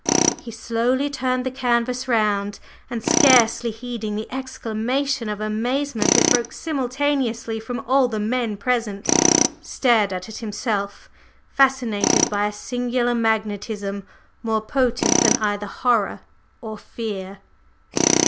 He slowly turned the canvas round, and, scarcely heeding the exclamation of amazement that broke simultaneously from all the men present, stared at it himself, fascinated by a singular magnetism more potent than either horror or fear.